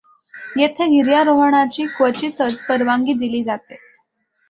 येथे गिर्यारोहणाची क्वचितच परवानगी दिली जाते.